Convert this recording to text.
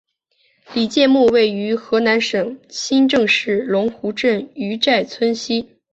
李诫墓位于河南省新郑市龙湖镇于寨村西。